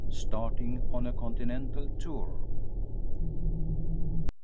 STARTING ON A CONTINENTAL TOUR.